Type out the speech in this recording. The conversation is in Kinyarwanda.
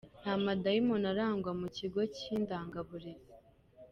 Nta madayimoni arangwa mukigo cy’Indangaburezi